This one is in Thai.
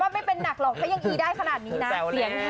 ไม่เป็นแล้ว